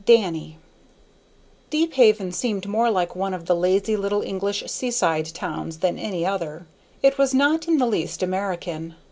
Danny Deephaven seemed more like one of the lazy little English seaside towns than any other. It was not in the least American.